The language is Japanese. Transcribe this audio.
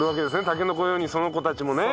たけのこのようにその子たちもね。